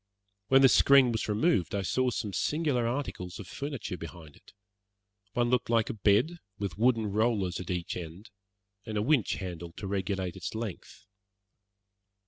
When this screen was removed I saw some singular articles of furniture behind it. One looked like a bed with wooden rollers at each end, and a winch handle to regulate its length.